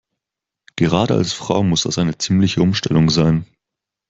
Gerade als Frau muss das eine ziemliche Umstellung sein.